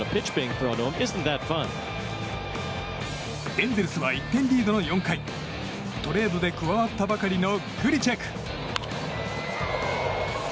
エンゼルスは１点リードの４回トレードで加わったばかりのグリチェク。